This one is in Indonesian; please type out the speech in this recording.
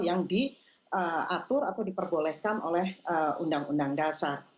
yang diatur atau diperbolehkan oleh undang undang dasar